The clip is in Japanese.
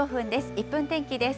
１分天気です。